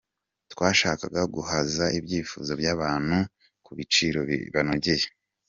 Twashakaga guhaza ibyifuzo by’abantu ku biciro bibanogeye.